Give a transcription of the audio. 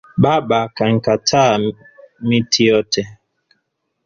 Baba kankata miti yote